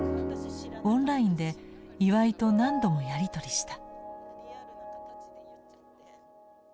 オンラインで岩井と何度もやり取りした。